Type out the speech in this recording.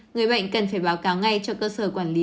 người bệnh cần phải báo cáo ngay cho cơ sở quản lý